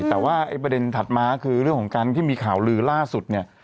แต่ว่าประเด็นถัดมาคือเรื่องของการที่มีข่าวลือล่าสุดเนี่ย